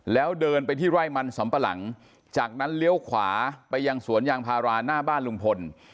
แล้วเดินไปที่ไร่มันสำปะหลังจากนั้นเลี้ยวขวาไปยังสวนยางพาราหน้าบ้านลุงพล